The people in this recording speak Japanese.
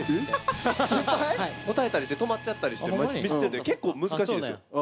答えたりして止まっちゃったりしてミスってるんで結構難しいですよ。